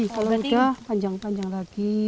kalau udah panjang panjang lagi